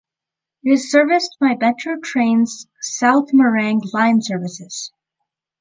It is serviced by Metro Trains' South Morang line services.